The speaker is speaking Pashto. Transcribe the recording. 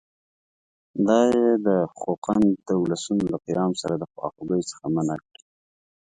دا یې د خوقند د اولسونو له قیام سره د خواخوږۍ څخه منع کړي.